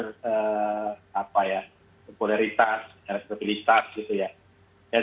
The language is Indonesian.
sebuah polaritas dan stabilitas